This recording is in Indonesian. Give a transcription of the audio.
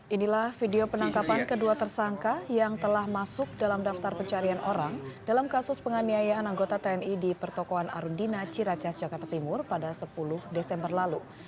inilah video penangkapan kedua tersangka yang telah masuk dalam daftar pencarian orang dalam kasus penganiayaan anggota tni di pertokoan arundina ciracas jakarta timur pada sepuluh desember lalu